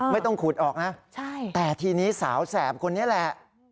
ไม่ต้องขุดออกนะแต่ทีนี้สาวแสบคนนี้แหละ